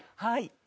はい。